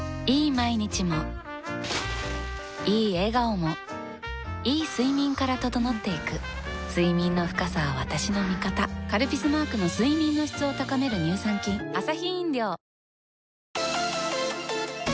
毎日もいい笑顔もいい睡眠から整っていく睡眠の深さは私の味方「カルピス」マークの睡眠の質を高める乳酸菌あー